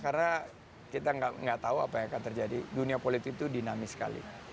karena kita nggak tahu apa yang akan terjadi dunia politik itu dinamis sekali